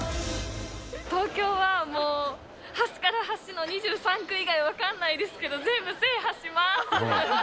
東京はもう端から端まで、２３区以外分かんないですけど、全部制覇します。